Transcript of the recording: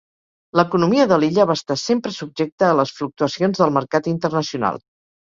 L'economia de l'illa va estar sempre subjecta a les fluctuacions del mercat internacional.